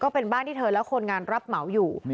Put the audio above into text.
เป็นบ้านที่เธอและคนงานรับเหมาอยู่